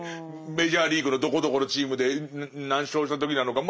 メジャーリーグのどこどこのチームで何勝した時なのか。